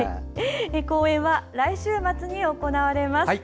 公演は来週末に行われます。